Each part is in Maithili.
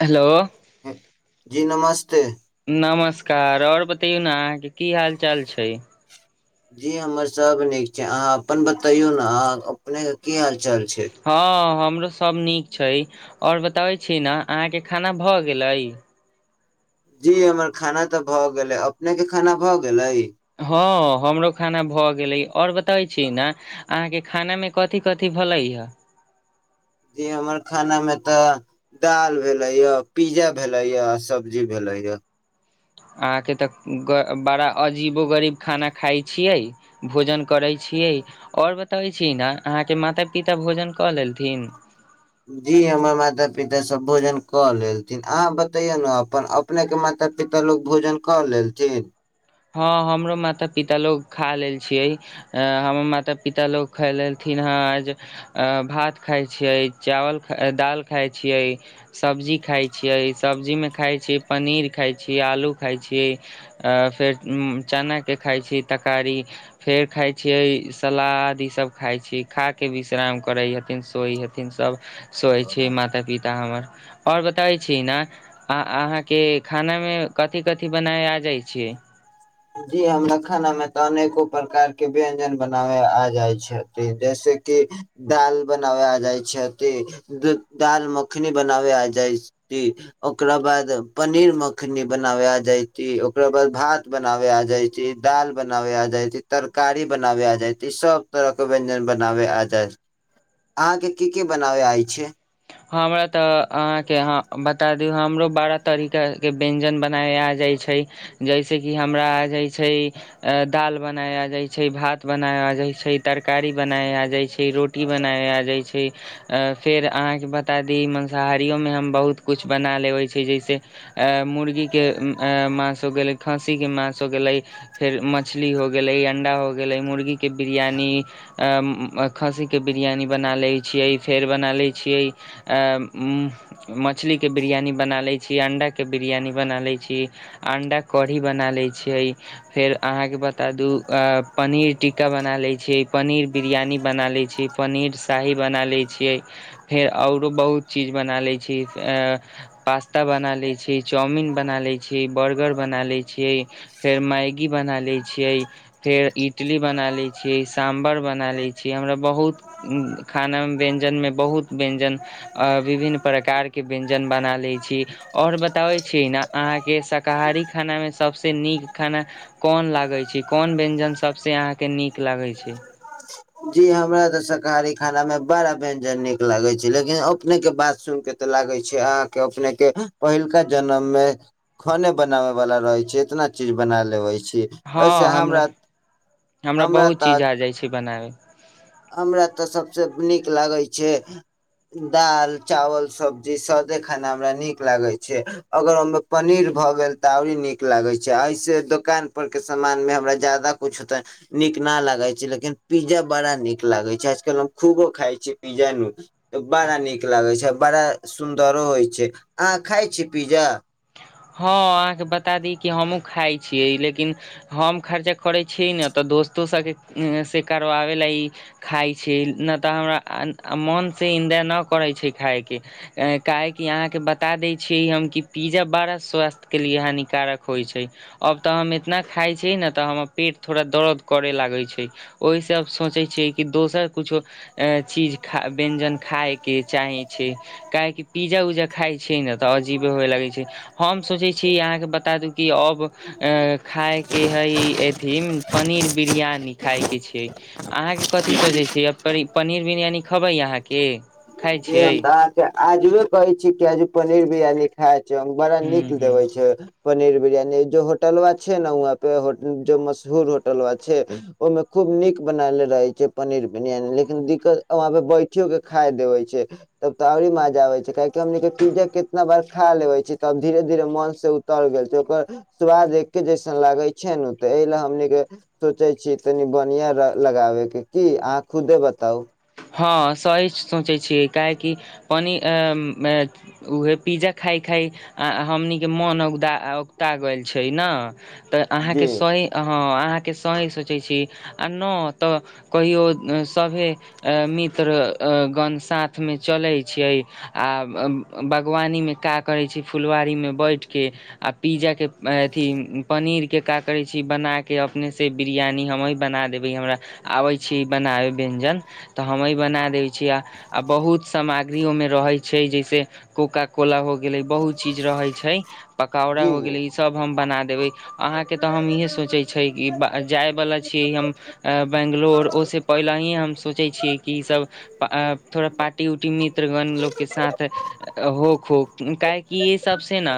हेलो जी नमस्ते। नमस्कार, आओर बतइयौ न अहाँके की हाल-चाल छैय? जी हमर सब नीक छैय, अहाँ अपन बतइयौ न अहाँ अपनेके की हाल चाल छै हँ-हँ हमरो सब नीक छैय आओर बताबै छी न अहाँ के खाना भ गेलैय? जी हमर खाना त भ गेलैय अपने के खाना भ गेलैय? हँ। हमरो खाना भ गेलैय, आओर बताबै छी न अहाँके खानामे कथी-कथी भेलैय? जी हमर खानामे त दाल भेलैय आ पिज्जा भेलैय आ सब्जी भेलैय। [inaudible] अहाँके त बड़ा अजीबो-गरीब खाना खाइ छियैय, भोजन करैय छियैय आओर बताबैए छीयैय न अहाँके माता-पिता भोजन क लेलथिन? जी हमर माता-पिता सब भोजन क लेलथिन, अहाँ बतैयौ न अपन, अपनेके माता- पिता लोग भोजन क लेलथिन? हँ हमरो माता-पिता लोग खा लेल छियैय ऐ हमर माता-पिता लोग खाय लेलथिन भात खाइ छियै, चावल, दाल खाइ छियै, सब्जी खाइ छियै, सब्जीमे खाइ छियै पनीर खाइ छियै, आलू खाइ छियै आ फेर चनाके खाइ छियै तरकारी, फेर खाइ छियै सलाद ई सब खाइ छियै। खा के विश्राम करैय हथिन सब सोइ हथिन सब, सोइ छियै माता-पिता हमर आओर बताबैए छियैय न अ-अहाँके खानामे कथी- कथी बनाबे आ जाइ छै? जी हमरा खानामे त अनेको प्रकार के व्यंजन बनाबे आ जाय छै, जैसे- की दाल बनाबे आ जाइ छै, दाल मखनी बनाबे आ जाइ छै, ओकरा बाद पनीर मखनी बनाबे आ जाइ छै, ओकरा बाद भात बनाबे आ जाइ छै, दाल बनाबे आ जाइ छै तरकारी बनाबे आ जाइ छै सब तरह के व्यंजन बनाबे आ जाइ छै। अहाँके की-की बनाबे आबैय छियै हमरा त अहाँके बता दु हमरो बारह तरीका के व्यंजन बनाबे आ जाय छै, जैसेकि हमरा आ जाय छै दाल बनाबे आ जाइ छै, भात बनाबे आ जाइ छै तरकारी बनाबे आ जाइ छै रोटी बनाबे आ जाइ छै, फेर अहाँ के बता दी मांसाहारियोमे हम बहुत किछु बना लेबैय छियै, जैसे मुर्गीके माउस हो गेलैय, खस्सीके माउस हो गेलैय, फेर मछली हो गेलैय, अण्डा हो गेलैय, मुर्गीे के बिरयानी, खस्सीके बिरयानी बना लैय छियै फेर बना लै छियै मछली के बिरयानी बना लै छी अण्डाके बिरयानी बना लै छी अंडा कढ़ी बना ले छियै फेर अहाँके बता दू पनीर टीका बना लै छियै पनीर बिरयानी बना लै छियै पनीर शाही बना लै छियै फेर ओरो बहुत चीज बना लै छी पास्ता बना लै छी चाउमिन बना लै छी बर्गर बना लै छियै फेर मैगी बना लै छियै फेर इडली बना लै छियै सांभर बना लै छियै हमरा बहुत खाना मे व्यंजन मे व्यंजन अ विभिन्न प्रकार के व्यंजन बना ले छी और बताबे छी न अहाँ अहाँ के शाकाहारी खाना मे सबसँ नीक खाना कोन लागै छै कोन व्यंजन सबसे अहाँ अहाँ के नीक लागै छै जी हमरा तऽ शाकाहारी खाना मे बड़ा व्यञ्जन नीक लागैत छै लेकिन अपनेके बात सुनिके तऽ लागे छै अहाँके अपने के पहिलका जनम मे खाने बनाबे वाला रहै छै इतना चीज बना लेबै छी हँ ओहिसँ हमरा हमरा बहुत तऽ चीज आ जाइ छै बनाबे हमरा तऽ सबसे नीक लागै छै दाल चावल सब्जी सादे खाना हमरा नीक लागे छै अगर हमरा पनीर भऽ गेल तऽऔरी नीक लागै छै ऐसे दोकान पर के सामान मे हमरा ज्यादा कुछ तऽ नीक न लगा छै लेकिन पिज्जा बड़ा नीक लागे छै आजकल हम खूबो खाय छीयै पिज्जा नू त बड़ा नीक लागे छै बड़ा सुन्दरो होइ छै अहाँ खाइ छी पिज्जा हँ अहाँके बता दी कि हमहूँ खाय छियै लेकिन हम खर्चा करय छियै न त दोस्तो से करबाबय खाय छै न तऽ हमरा मन से इन दिना नहि करै छै खाायके काहे कि अहाँ के बता दै छी हम कि पिज्जा बारा स्वास्थ्य के लिए हानिकारक होइ छै अब तऽ हम इतना खाइ छी ने तऽ हमर पेट थोड़ा दरद करै लागै छै ओहिसँ सोचै छियै कि दोसर कुछो चीज व्यंजन खायके चाहै छै काहेकि पिज्जा उज्जा खाइ छियै ने तऽ अजीबे हुए लगै छै हम सोचै छी अहाँके बता दू कि अब खायके हइ अथी पनीर पनीर बिरियानी खायके छै अहाँके कथी सोचै छ पनीर बिरयानी खबै अहाँ की जी हम तऽ अहाँके आजुए कहै छी कि आजू पनीर बिरियानी खाएब बड़ा नीक हूँ हूँ देबे छै पनीर बिरयनी जो होटल वा छै ने वहाँ प जो मशहूर होटल वा छै ओहिमे खूब नीक बनाले रहे छै पनीर बिरियानी लेकिन दिक्कत वह पे बैठियो के खा छै तब तऽ ओरी मजा आब छै काहि हमे पिज्जा केितना बार खा ले छी तब धीरे धीरे मन से उतर गेल छै ओकर स्वाद एके जैसन लागे छै नेे एहि ले हमन के सोचे छी छी तनि बढ़िया लगाबे के की अहाँ खुदे बताउ हँ सही सोचै छीियै काहेकि पनीर पिज्जा खा खाइ खाइ आ हमनीके मोन औगूता औगताा गेल छै ने तऽ जी अहाँके सही ह आहा के सहि सोचै छी आ न तऽ कहियोे सभे मित्र गन साथ में चलै छियै आ बागवानीमे का करै छी फुलवारी मे बैठके आ पिज्जा के अथी पनीर के का करै छी बनााके अपने से बिरयानी हमी बना देबै हमरा आबै छी बनाब व्यंजन तऽ हमई बना दय छीयै आ बहुत समै मे रहै छै जैसे कोका कोला हो बहुत चिज रहैय छै पकोरा जी भ जी गेल सब हम बना देब अह हम सोचय छै कि जै वला छ बंगलोर ओ से पहले ही सोच छ कि सब थोड़ा पार्टी उटी मित्रगण लोकके साथ हो हो काहेकि ई सब से ने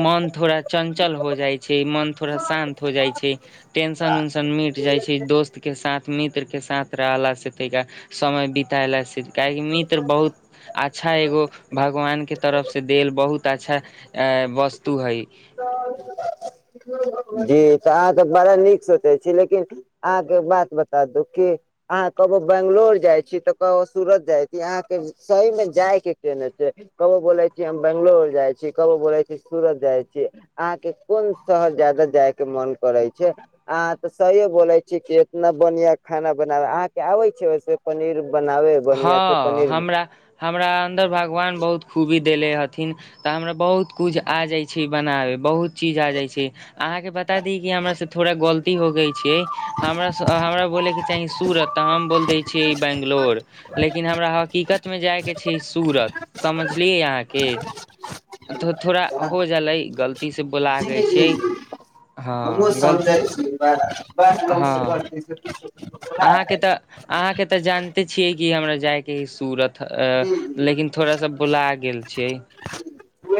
मन थोड़ा चंचल हो जाइ छै मन थोड़ा शान्त हो जा जाइ छै टेंशन उंशन मिट जाइ छै दोस्त के साथ मित्र के साथ रहाला से समय बितैला से काहि मित्र बहुत अच्छा एगो भगवान के ह त जी तऽ अहाँके बड़ा नीक सोचै छी लेकिन अहाँके बात बता दू की अहाँ कहबो बंगलोर जाय छी तऽ कहो सूरत जाय छी अहाँके सही मे जाय के केने छै कबो बोले छियै हम बंगलोर जाय छी कबो बोले छी सूरत जाय छी अहाँके कोन शहर ज्यादा जाय के मन करे छै अहाँ तऽ सहिये बोले छी केितना बढ़िया खाना बनाव अहाँ के आबे छै वसे पनीर बनाबे बढ़िया से हँ पनीर हमरा हमरा अन्दर भगवान बहुत खूबी देले हथिन तऽ हमरा बहुत कुछ आ जाइ छै बनाबे बहुत चीज आ जाइ छै अहाँके बता दी कि हमरा से थोड़ थोड़ा गलती होग छै हमरा हमरा बोलैके चाही सूरत तऽ हम बोल दै छियै बैंगलोर लेकिन हमरा हकीकतमे जायके छै सूरत समझलियै अहाँके तऽ थोड़ा हो जै गलतीसँ बुला गै छियै हमहु हँ गलती समझै छी ब ल हँ सेती अहाँके तऽ अहाँके तऽ जानते छियै कि हमरा जायके हइ सूरत छी लेकिन थोड़ा सा बुला गेल छियै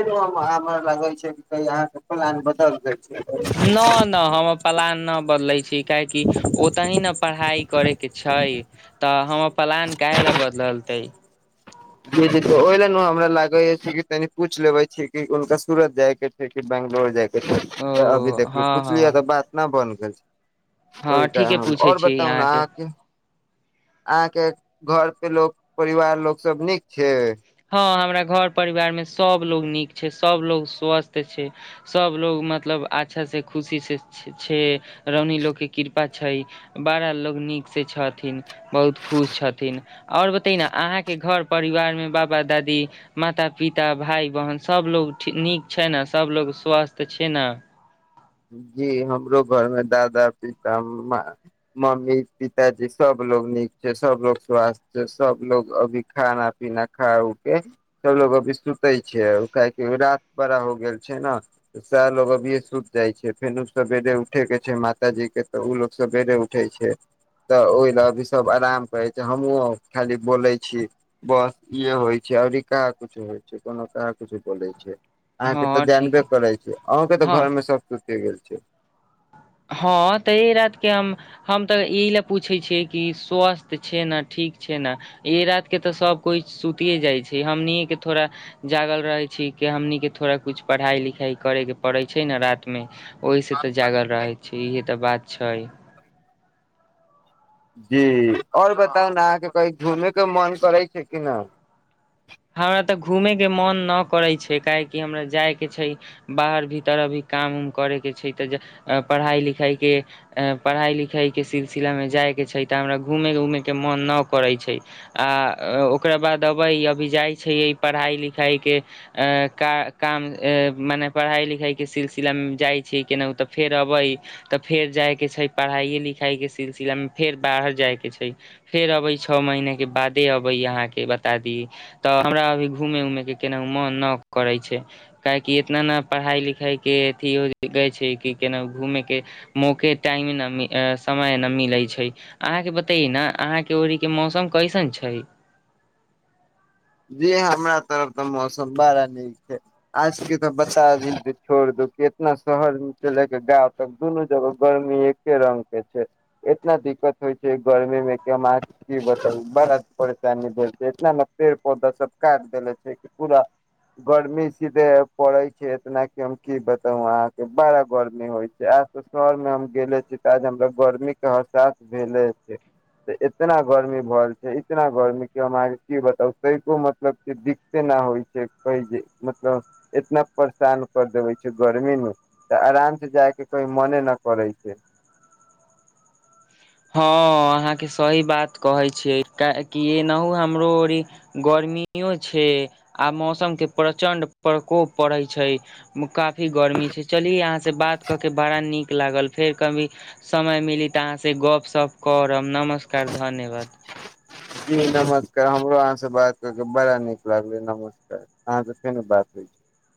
हमरा लागै छै अहाँके प्लान बदल दे न नहि हमर पलान न बदलै छी काहेकि ओतहि ने पढ़ाइ करेके छै छै तऽ हमर प्लान काह ले बदललते जी जी तऽ ओहि ल हमरा लागे छै कि तनि पूछि लेबे छी कि हुनका सूरत जाय के छै कि बैंगलोर जाय के अभी ओ देखियौ हँ हँ पुछलियै तऽ बात नहि बन गेल छै ओहि हँ ठीके कारण पूछै आओर छी बताउ ने अहाँके अहाँके घर पे लोक परिवार लोक सब नीक छै हँ हमरा घर परिवार मे सब लोग नीक छै सब लोग स्वस्थ छै सबलोग मतलब अच्छा से खुशी से छै रानी लोग के कृपा छै बारा लोग नीक से छथिन बहुत खुश छथिन ओर बताइ न अहाँके घर परिवार मे ब पाबा दादी माता पिता भाई बहन सब लोग नीक छै ने सबलोग स्वस्थ छै ने ह जी हमरो घर मे दादा पिता मम्मी पिताजी सब सब लोग नीक छै सब लोग स्वास्थ छै सब लोग अभी खाना पीना खा उ के सब लोग अभी सुते छै काह रात बड़ा हो गेल छै ने सएह लोग अभी सुतय जाइ छै फेर सवेरे उठे के छै मातााजी के तऽ ओ लोग सवेरे उठे छै तऽ ओहि ले अभी सब आराम करे छै हमहु खाली बोले छीय बस इे होइ छै औरी क कुछो होइ छै कोनो क कुछु बोलै छै अहाँके तऽ हँ ठीक जानबे है। करै छै अहूँके तऽ हँ घरमे सभसूति गेल छै हँ तऽ ई रात के हम हम तऽ इ ले पूछै छियै कि स्वस्थ छै ने ठीक ठीक छै ने ए रात के तऽ सब कोइ सुतिे जाइ छै हमनिए के थोड़ा जागल रहे छी के हमनीके थोड़ा कुछ पढ़ाइ लिखाइ करेके पड़ै छै ने रात मे ओहि से तऽ जागल रहै छै इहे तऽ बात छै जी आओर बताउ ने अहाँके कही घुमेय के मन करै छै कि न हमरा तऽ घूमय के मन न करै छै काहेकि हमरा जाय के छै बाहर भीतर अभी काम उम करे के छै तऽ पढ़ाई लिखाई के पढ़ाई लिखाई के सिलसिलामे जाय के छै तऽ हमरा घूमे उमे के मन न करै छै आ ओकरा बाद अबै अभी जाइ छै पढ़ाई लिखाई के काम मने पढ़ाई लिखाई के सिल सिलामे जाइ छी केनाहुँ तऽ फेर अबै तऽ फेर जाइके छै पढ़ाइए लिखाइके सिलसिलामे फेर बाहर जाय के छै फेर अबै छओ महीने के बादे अबै अहाँके बता दी तऽ हमरा अभी घूमे उमे के केना मन न करै छै काहेकि इतना ने पढ़ाई लिखाई के अथि हो गै छै कि केना घूमे के मौके टाइम समय न मिलै छै अहाँके बतय न अहाँके ओड़ी के मौसम कैसन छै [inaudible] जी हमरा तरफ ते मौसम बड़ा निक छै आज के तो बता दी जे छोड़ द के इना शहर लेके गाव तक दुनू जगह गर्मी एके रंग के छै इतना दिक्कत होइ छै गर्मी मे के अहाँक की बताउ बड़ा परेशानी भेल छै इतना ने पेड़ पौधा सब काटि देेले छै पूरा गर्मी सीधे पड़ै छै इतना कि हम की बताउ अहाँके बड़ा गर्मी होइ छै शहरमे हम गेले छी तऽ आ हमरा गर्मी के एहसास भेले हेतै तऽ इतना गर्मी भऽ छै इतना गर्मी की हम अहाँके की बताउ कैको मतलब के दिक्कते न होइ छै क जे मतलब एतना परेशान कर देबै छै गर्मीमे तऽ आराम से जायके कहीं मने नहि करै छै [inaudible] हँ अहाँके सही बात कहै छियै किनाहु हमरो ओरी ग रमीयो छै आ मौसम के प्रचंड प्रकोप पड़ैत छै काफी गरम गरमी छै चली अहां से बात कऽ के बड़ा नीक लागल फेर कभी समय मिली तऽ अहां से गप सप करब नमस्कार धन्यवाद जी नमस्कार हमरो अहाँसँ बात कऽ के बड़ा नीक लागलै नमस्कार अहाँ त फेनो बात होइ छै [unintelligible]